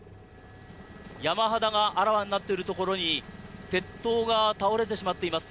山肌があらわになっているところに鉄塔が倒れてしまっています。